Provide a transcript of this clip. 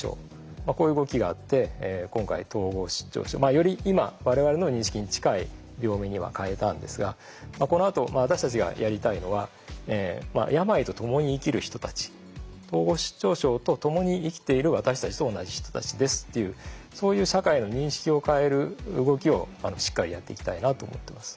まあこういう動きがあって今回統合失調症。より今我々の認識に近い病名には変えたんですがこのあと私たちがやりたいのは病と共に生きる人たち統合失調症と共に生きている私たちと同じ人たちですっていうそういう社会の認識を変える動きをしっかりやっていきたいなと思ってます。